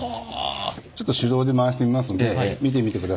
ちょっと手動で回してみますので見てみてください。